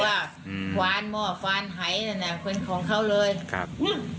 กลัวควานหม้อควานไห่นั่นแหละเป็นของเขาเลยครับ